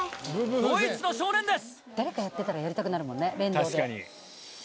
ドイツの少年です。